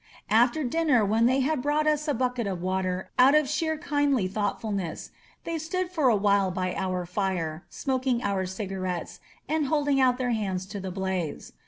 After dinner, when they had brought us a bucket of water out of sheer kindly thoughtfulness, they stood for a while by our fire, smoking our cigarettes and holding out their hands to the blaze.